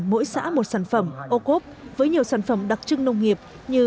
mỗi xã một sản phẩm ocope với nhiều sản phẩm đặc trưng nông nghiệp như